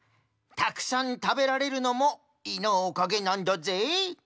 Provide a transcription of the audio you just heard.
たくさん食べられるのも胃のおかげなんだぜ！